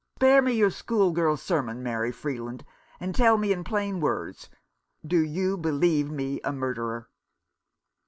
Spare me your schoolgirl sermon, Mary Freeland, and tell me in plain words, do you believe me a murderer